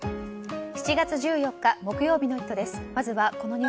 ７月１４日木曜日の「イット！」です。